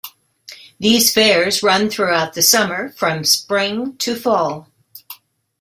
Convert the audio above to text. These fairs run throughout the summer, from spring to fall.